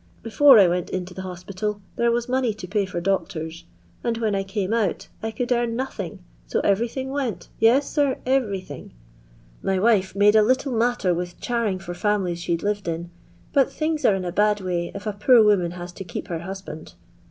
Before I went into the hospital, there waa money to pay to doctors ; and when I came out I oould earn nothing, so ererything went, yes, sir, erery thing. My wife made a little matter with charing for funilies she 'd lived in, but things are in a bad way if a poor woman has to keep her husband.